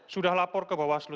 sudah lapor ke bawah seluruh